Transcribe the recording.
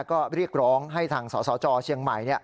ก็เรียกร้องให้ทางสสจเชียงใหม่